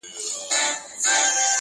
دا کمال ستا د جمال دی,